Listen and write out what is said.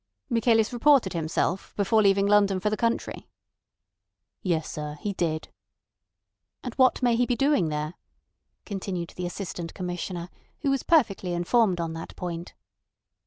"Michaelis reported himself before leaving London for the country?" "Yes, sir. He did." "And what may he be doing there?" continued the Assistant Commissioner, who was perfectly informed on that point.